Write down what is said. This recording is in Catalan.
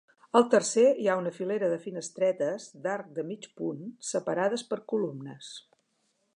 Al tercer hi ha una filera de finestretes d'arc de mig punt separades per columnes.